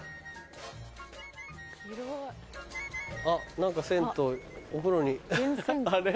何か銭湯お風呂にあれ？